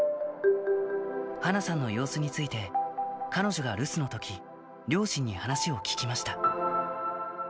華さんの様子について、彼女が留守のとき、両親に話を聞きました。